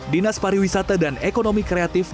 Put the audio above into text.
dinas pariwisata dan ekonomi kreatif